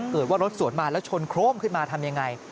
เกิดว่ารถสวนมาแล้วชนโครมขึ้นมาทำยังไง